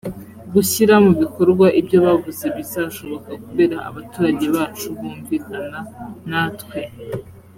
gushyira mu bikorwa ibyo bavuze bizashoboka kubera abaturage bacu bunvikana natwe